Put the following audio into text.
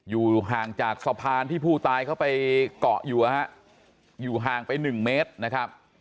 อยู่ห่างจากสะพานที่ผู้ตายเข้าไปเกาะอยู่อยู่ห่างไป๑เมตรนะครับ